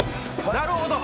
なるほど。